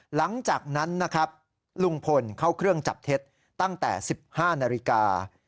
หลังจากนั้นนะครับลุงพลเข้าเครื่องจับเท็จตั้งแต่๑๕นาฬิกา